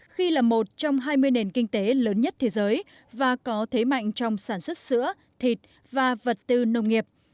khi là một trong hai mươi nền kinh tế lớn nhất thế giới và có thế mạnh trong sản xuất sữa thịt và vật tư nông nghiệp